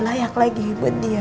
banyak lagi buat dia